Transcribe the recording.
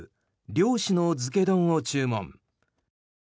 漁師の漬け丼を注文。